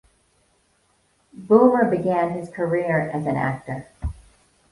Boomer began his career as an actor.